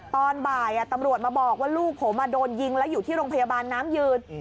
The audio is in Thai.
ตอนบ่ายตำรวจมาบอกว่าลูกผมโดนยิงแล้วอยู่ที่โรงพยาบาลน้ำยืน